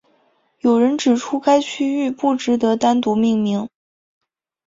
有人指出该区域不值得单独命名。